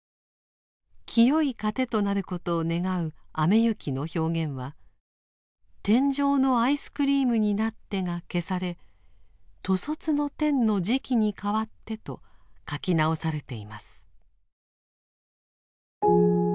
聖い資糧となることを願う雨雪の表現は「天上のアイスクリームになって」が消され「兜率の天の食に変って」と書き直されています。